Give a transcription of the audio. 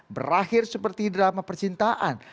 berakhir seperti drama percintaan